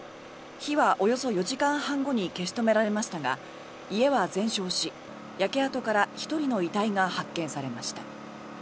火はおよそ４時間半後に消し止められましたが家は全焼し、焼け跡から１人の遺体が発見されました。